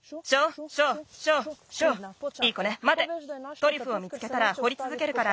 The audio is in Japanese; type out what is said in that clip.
トリュフを見つけたらほりつづけるから。